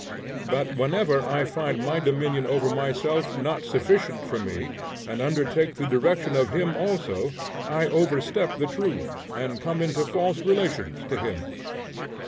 But whenever I find my dominion over myself not sufficient for me, and undertake the direction of him also, I overstep the truth, and come into false relations to him.